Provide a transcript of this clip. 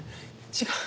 違う。